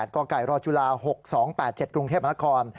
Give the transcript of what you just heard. ก่อไก่รอจุลา๖๒๘๗กรุงเทพมนาคม